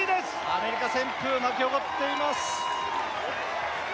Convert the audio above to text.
アメリカ旋風巻き起こっています